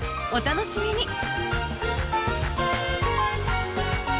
お楽しみに！